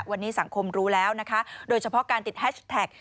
วันนี้สังคมรู้แล้วนะคะโดยเฉพาะการติดแฮชแท็ก